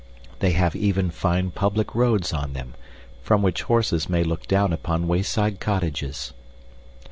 They have even fine public roads on them, from which horses may look down upon wayside cottages.